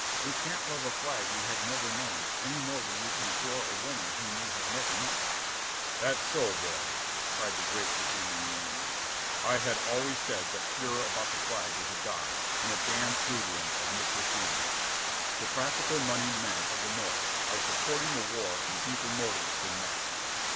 We can't love a flag we have never known any more than we can adore a woman whom we have never met." "That's so, boys!" cried the great Virginia Unionist. "I always said that furore about the flag was a dodge, and a damn shrewd one, of Mr. Seward's. The practical moneyed men of the North are supporting the war from deeper motives than that.